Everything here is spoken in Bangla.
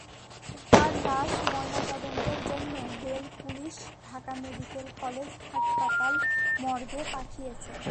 তাঁর লাশ ময়নাতদন্তের জন্য rail police Dhaka medical college হাসপাতাল মর্গে পাঠিয়েছে।